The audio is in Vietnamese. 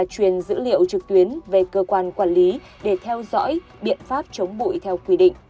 truyền dữ liệu trực tuyến về cơ quan quản lý để theo dõi biện pháp chống bụi theo quy định